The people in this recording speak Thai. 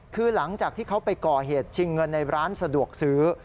คือหลังจากที่เขาไปก่อเหตุชิงเงินในร้านสะดวกซื้อ